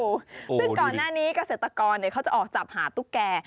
ซึ่งก่อนหน้านี้เกษตรกรเขาจะออกจับหาตุ๊กแก่